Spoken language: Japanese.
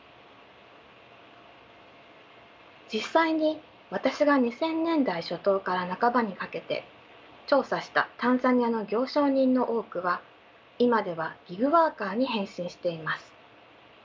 実際に私が２０００年代初頭から半ばにかけて調査したタンザニアの行商人の多くは今ではギグワーカーに変身しています。